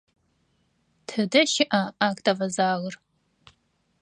Тыдэ щыӏа актовэ залыр?